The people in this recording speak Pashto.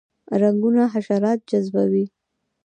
رنګونه حشرات جذبوي